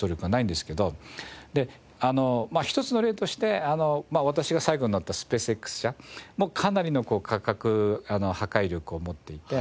で一つの例として私が最後に乗ったスペースＸ社もかなりの価格破壊力を持っていて。